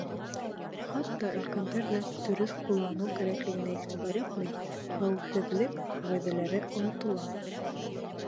Хатта өлкәндәр ҙә дөрөҫ ҡулланыу кәрәклегенә иғтибар итмәй, хәүефһеҙлек ҡағиҙәләре онотола.